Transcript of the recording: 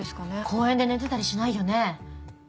公園で寝てたりしないよね？